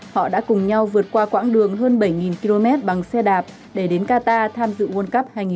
họ đã cùng nhau vượt qua quãng đường hơn bảy km bằng xe đạp để đến qatar tham dự world cup hai nghìn hai mươi